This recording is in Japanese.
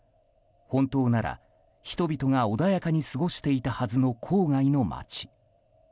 本当なら、人々が穏やかに過ごしていたはずの郊外の街。